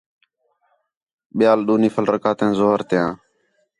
ٻِیال ݙُو نفل رکعتیان ظُہر تیان